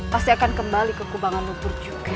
pasti akan kembali ke kubangan lumpur juga